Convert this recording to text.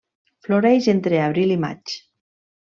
Floreix entre abril i maig.